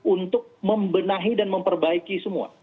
untuk membenahi dan memperbaiki semua